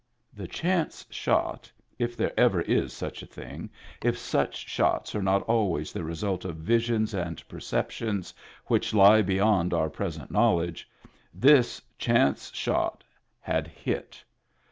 The chance shot — if there ever is such a thing, if such shots are not always the result of visions and perceptions which lie beyond our present knowledge — this chance shot had hit.